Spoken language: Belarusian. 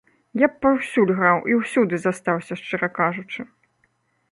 Я б паўсюль граў і ўсюды застаўся, шчыра кажучы.